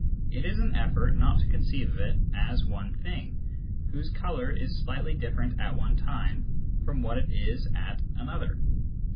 It is an effort not to conceive of it as one " thing " whose colour is slightly different at one time from what it is at another.